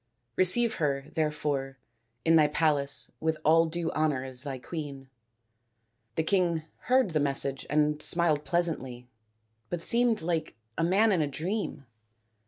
Receive her, there fore, in thy palace with all due honour as thy queen." The king heard the message and smiled pleasantly, but seemed like a man in a dream.